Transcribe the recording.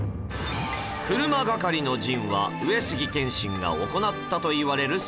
車懸かりの陣は上杉謙信が行ったといわれる戦法